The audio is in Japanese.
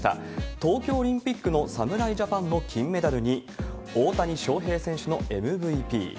東京オリンピックの侍ジャパンの金メダルに、大谷翔平選手のＭＶＰ。